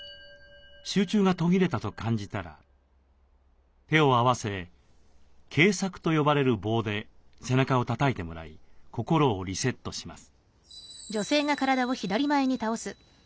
集中が途切れたと感じたら手を合わせ警策と呼ばれる棒で背中をたたいてもらい心をリセットします。